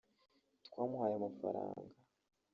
twamuhaye amafaranga